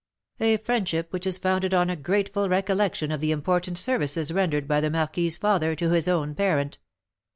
"A friendship which is founded on a grateful recollection of the important services rendered by the marquis's father to his own parent.